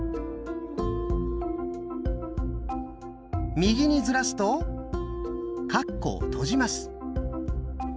右にずらすとカッコを閉じます。